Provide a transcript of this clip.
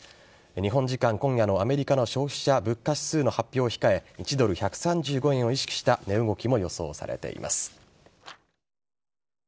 日本時間今夜のアメリカの消費者物価指数の発表を控え１ドル１３５円を意識した値動きも予想されています。